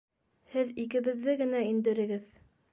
- Һеҙ икебеҙҙе генә индерегеҙ.